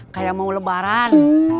kayak mau lebaran